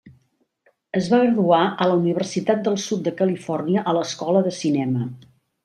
Es va graduar a la Universitat del Sud de Califòrnia a l'Escola de Cinema.